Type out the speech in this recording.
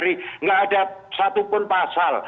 tidak ada satupun pasal